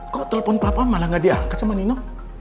kok telepon papa malah gak diangkat sama nino